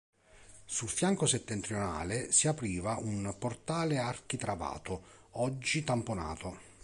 Sul fianco settentrionale si apriva un portale architravato, oggi tamponato.